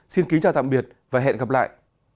xin kính chào tạm biệt và hẹn gặp lại